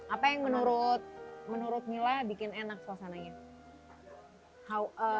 apa yang menurut mila bikin enak suasananya